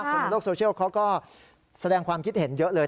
คนในโลกโซเชียลเขาก็แสดงความคิดเห็นเยอะเลย